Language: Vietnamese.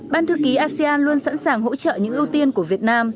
ban thư ký asean luôn sẵn sàng hỗ trợ những ưu tiên của việt nam